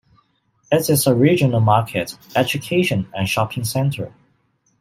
It is a regional market, education and shopping centre.